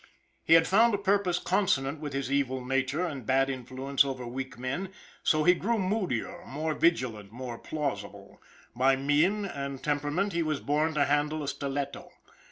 He had found a purpose consonant with his evil nature and bad influence over weak men; so he grew moodier, more vigilant, more plausible. By mien and temperament he was born to handle a stiletto.